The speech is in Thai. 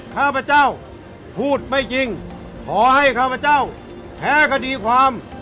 ข้าพเจ้าพูดไม่จริงขอให้ข้าพเจ้าแพ้คดีความ